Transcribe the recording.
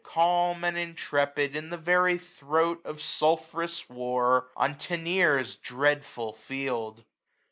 Calm, and intrepid, in the very throat 935 Of sulphurous war, on Tenier's dreadful field.